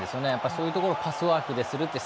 そういうところをパスワークでするという